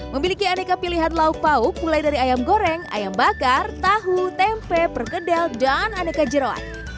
memiliki aneka pilihan lauk pauk mulai dari ayam goreng ayam bakar tahu tempe perkedel dan aneka jerawan